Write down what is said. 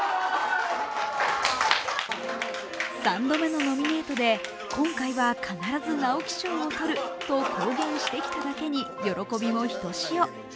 ３度目のノミネートで今回は必ず直木賞をとると公言してきただけに、喜びもひとしお。